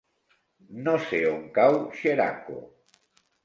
No sé on cau Xeraco.